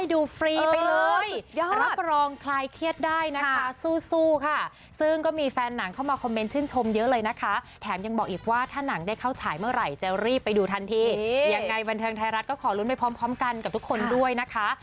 ได้เข้าฉายเมื่อไหร่จะรีบไปดูทันทียังไงบรรเทิงไทยรัฐก็ขอลุ้นไปพร้อมกันกับทุกคนด้วยนะคะ